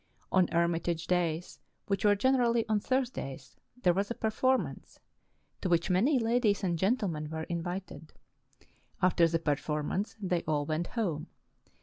On Hermitage Days, which were generally on Thursdays, there was a performance, to which many ladies and gentlemen were invited ; after the performance they all went home.